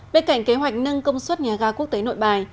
bên cạnh kế hoạch nâng công suất nhà ga quốc tế nội bài